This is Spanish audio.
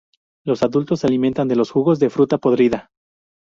Los adultos se alimentan de los jugos de fruta podrida.